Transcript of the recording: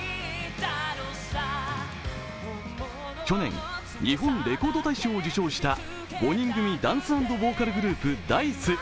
去年、日本レコード大賞を受賞した５人組ダンス＆ボーカルグループＤａ−ｉＣＥ。